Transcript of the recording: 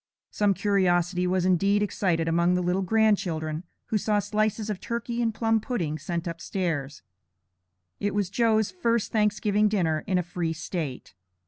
Some curiosity was indeed excited among the little grandchildren, who saw slices of turkey and plum pudding sent up stairs. It was "Joe's" first Thanksgiving dinner in a free State.